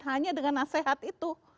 hanya dengan nasihat itu